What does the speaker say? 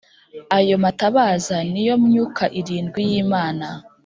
Ayo matabaza ni yo Myuka irindwi y’Imana.